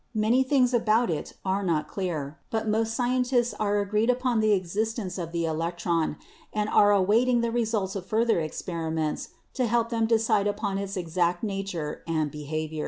Many things about it are not clear, but most scientists are agreed upon the existence of the electron and are awaiting the results of further experiments to help them decide upon its exact nature and behavior.